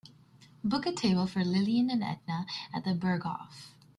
book a table for lillian and edna at The Berghoff